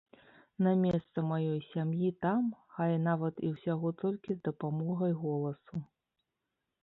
Не месца маёй сям'і там, хай нават і ўсяго толькі з дапамогай голасу.